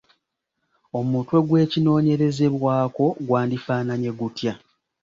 Omutwe gw’ekinoonyerezebwako gwandifaananye gutya?